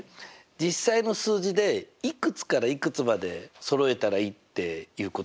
実際の数字でいくつからいくつまでそろえたらいいっていうこと？